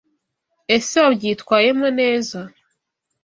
Ese Wabyitwayemo neza.